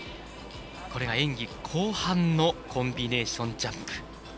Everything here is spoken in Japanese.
演技後半のコンビネーションジャンプ。